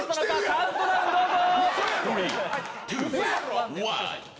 カウントダウン、どうぞ。